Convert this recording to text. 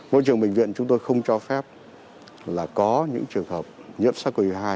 môi trường bệnh viện chúng tôi không cho phép là có những trường hợp nhiễm sars cov hai